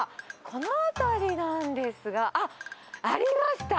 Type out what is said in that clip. この辺りなんですが、あっ、ありました。